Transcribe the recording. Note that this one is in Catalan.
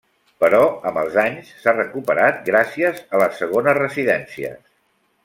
Però amb els anys s'ha recuperat gràcies a les segones residències.